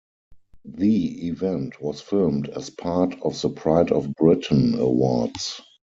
The event was filmed as part of The Pride of Britain Awards.